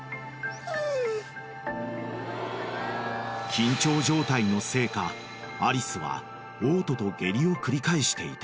［緊張状態のせいかアリスは嘔吐と下痢を繰り返していた］